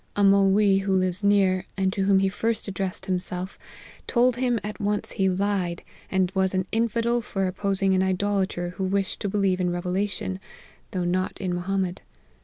A Molwee, who lives near, and to whom he first addressed himself, told him at once he lied, and was an infidel for opposing an idolater who wished to believe in revelation, though not in Mohammed.